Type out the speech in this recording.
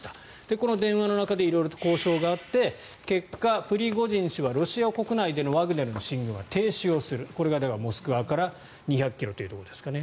この電話の中で色々と交渉があって結果、プリゴジン氏はロシア国内でのワグネルの進軍は停止するこれがモスクワから２００ｋｍというところですかね。